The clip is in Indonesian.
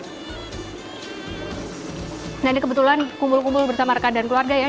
jadi kebetulan kumpul kumpul bersama rekan dan keluarga ya